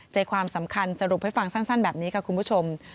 ใจความสำคัญสรุปให้ฟังสั้นแบบนี้ค่ะคุณผู้ชม